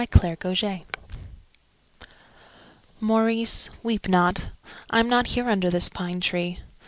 Sarah Brown Maurice, weep not, I am not here under this pine tree.